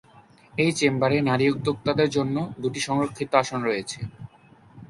এই চেম্বারে নারী উদ্যোক্তাদের জন্য দুটি সংরক্ষিত আসন রয়েছে।